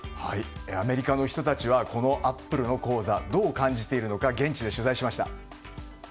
アメリカの人たちはこのアップルの口座どう感じているのか現地で取材しました。